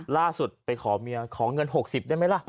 ล่าสุดไปขอเงิน๖๐บาทได้ไหมล่ะ